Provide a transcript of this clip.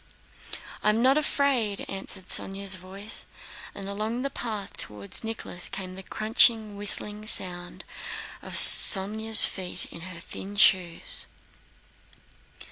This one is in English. "I am not afraid," answered Sónya's voice, and along the path toward Nicholas came the crunching, whistling sound of Sónya's feet in her thin shoes.